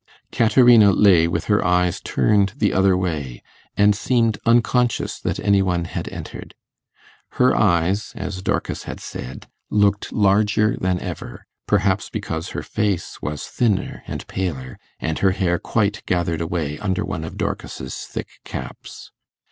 Caterina lay with her eyes turned the other way, and seemed unconscious that any one had entered. Her eyes, as Dorcas had said, looked larger than ever, perhaps because her face was thinner and paler, and her hair quite gathered away under one of Dorcas's thick caps.